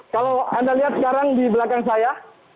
kalau anda lihat sekarang di belakang saya